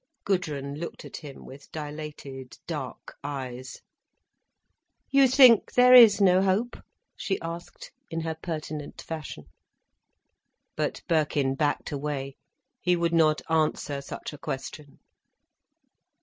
Gudrun looked at him with dilated dark eyes. "You think there is no hope?" she asked, in her pertinent fashion. But Birkin backed away. He would not answer such a question.